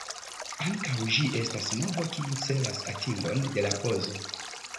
Ankaŭ ĝi estas movo kiu celas atingon de la pozo.